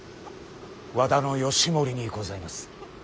和田義盛にございます。